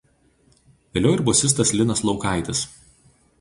Vėliau ir bosistas Linas Laukaitis.